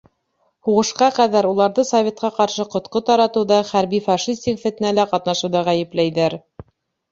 Һуғышҡа ҡәҙәр уларҙы советҡа ҡаршы ҡотҡо таратыуҙа, хәрби-фашистик фетнәлә ҡатнашыуҙа ғәйепләйҙәр.